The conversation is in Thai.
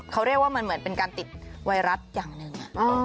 เขาเรียกว่ามันเหมือนเป็นการติดไวรัสอย่างหนึ่ง